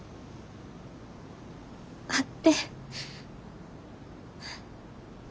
会って。